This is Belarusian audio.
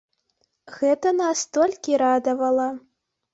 Гэта нас толькі радавала.